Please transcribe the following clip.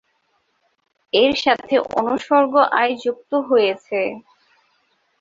এর সাথে অনুসর্গ আই যুক্ত হয়েছে।